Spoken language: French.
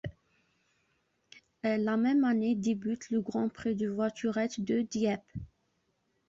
La même année débute le Grand Prix de Voiturettes de Dieppe.